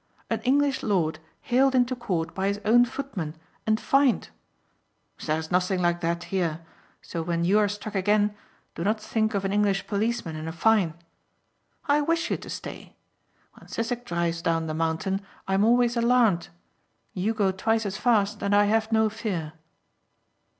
An English lord haled into court by his own footman and fined. There is nothing like that here so when you are struck again do not think of an English policeman and a fine. I wish you to stay. When Sissek drives down the mountain I am always alarmed. You go twice as fast and I have no fear.